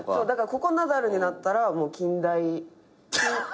ここナダルになったらもう近大。